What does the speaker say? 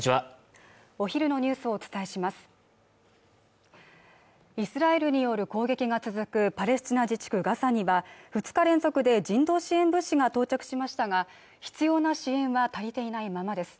お昼のニュースをお伝えしますイスラエルによる攻撃が続くパレスチナ自治区ガザには２日連続で人道支援物資が到着しましたが必要な支援は足りていないままです